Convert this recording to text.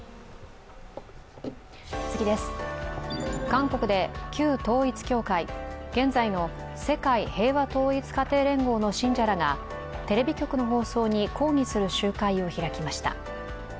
韓国で旧統一教会、現在の世界平和統一家庭連合の信者らがテレビ局の放送に抗議する集会を開きました。